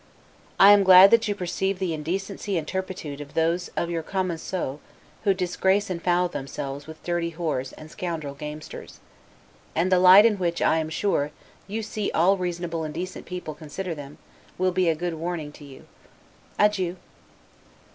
I am glad that you perceive the indecency and turpitude of those of your 'Commensaux', who disgrace and foul themselves with dirty w s and scoundrel gamesters. And the light in which, I am sure, you see all reasonable and decent people consider them, will be a good warning to you. Adieu.